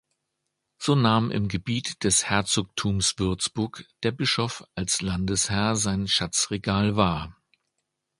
So nahm im Gebiet des Herzogtums Würzburg der Bischof als Landesherr sein Schatzregal wahr.